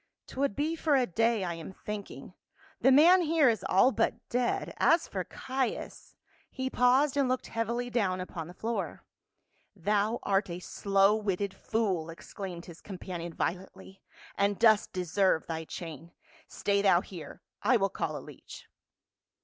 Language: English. " 'T would be for a day, I am thinking ; the man here is all but dead, as for Caius —" he paused and looked heavily down upon the floor. "Thou art a slow witted fool !" exclaimed his com panion violently, "and dost deserve thy chain. Stay thou here, I will call a leech."